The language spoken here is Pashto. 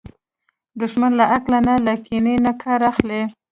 دښمن له عقل نه، له کینې نه کار اخلي